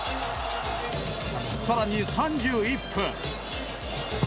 更に３１分。